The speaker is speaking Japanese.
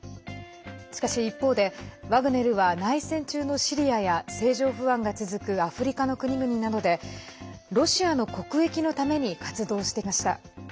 しかし、一方でワグネルは内戦中のシリアや政情不安が続くアフリカの国々などでロシアの国益のために活動してきました。